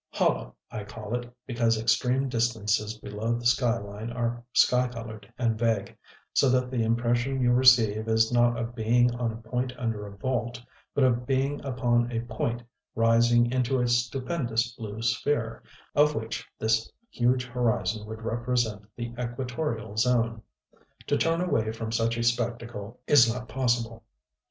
Hollow, I call it, because extreme distances below the sky line are sky colored and vague, so that the impression you receive is not of being on a point under a vault, but of being upon a point rising into a stupendous blue sphere, of which this huge horizon would represent the equatorial zone. To turn away from such a spectacle is not possible.